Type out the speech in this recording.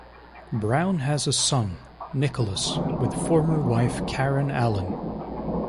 Browne has a son, Nicholas, with former wife Karen Allen.